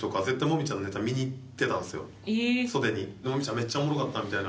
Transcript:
めっちゃおもろかった」みたいな。